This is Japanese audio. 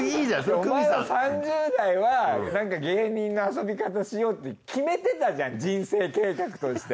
お前も３０代はなんか芸人の遊び方しようって決めてたじゃん人生計画として。